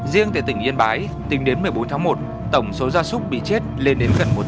riêng tại tỉnh yên bái tính đến một mươi bốn tháng một tổng số da súc bị chết lên đến gần một trăm linh con